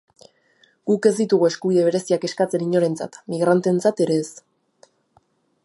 Guk ez ditugu eskubide bereziak eskatzen inorentzat, migranteentzat ere ez.